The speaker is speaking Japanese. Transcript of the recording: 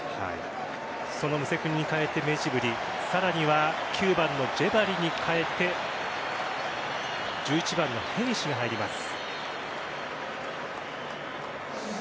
そのムセクニに代えてメジブリさらには９番のジェバリに代えて１１番のヘニシが入ります。